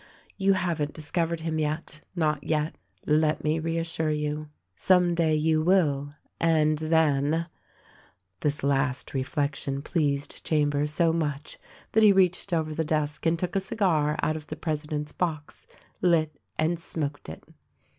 You haven't discovered him yet, — not yet. Let me reassure you ! Some day you will — and then " This last reflection pleased Chambers so much that he reached over the desk and took a cigar out of the president's box, lit and smoked it.